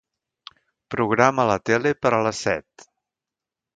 Programa la tele per a les set.